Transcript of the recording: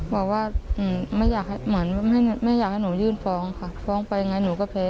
บอกว่าไม่อยากให้หนูยื่นฟ้องฟ้องไปไงหนูก็แพ้